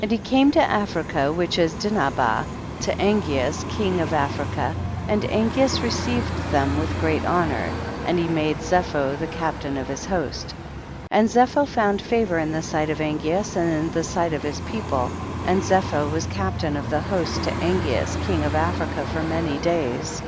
2. And he came to Africa, which is Dinhabah, to Angeas king of Af rica, and Angeas received them with great honor, and he made Zepho the captain of his host. 3. And Zepho found favor in the sight of Angeas and in the sight of his people, and Zepho was captain of the host to Angeas king of Africa for many days.